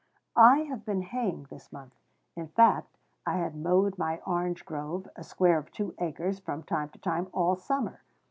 I have been haying this month: in fact I had mowed my orange grove, a square of two acres, from time to time, all summer.